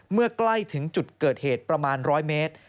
เมื่อใกล้ถึงจุดเกิดเหตุประมาณ๑๐๐เมตร